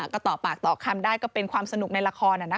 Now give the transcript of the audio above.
ก็ต่อปากต่อคำได้ก็เป็นความสนุกในละคร